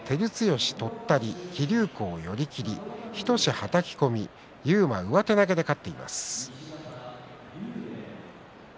照強突っ張り、木竜皇、寄り切り日翔志、はたき込み勇磨、上手投げで勝っています。